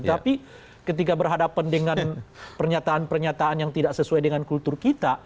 tapi ketika berhadapan dengan pernyataan pernyataan yang tidak sesuai dengan kultur kita